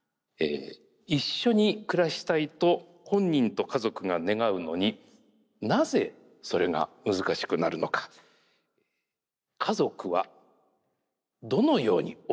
一緒に暮らしたいと本人と家族が願うのになぜそれが難しくなるのか家族はどのように追い詰められていくのか。